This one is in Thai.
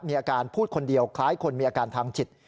มีอาการพูดคนเดียวคล้ายคนมีอาการทางจิต